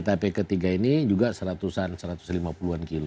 etape ketiga ini juga seratusan seratus lima puluhan kilo